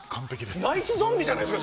ナイスゾンビじゃないですか。